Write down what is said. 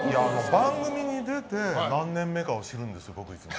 番組に出て、何年目かを知るんです、僕いつも。